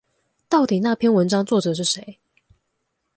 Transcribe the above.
到底那篇文章作者是誰？